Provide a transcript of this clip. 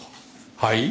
はい？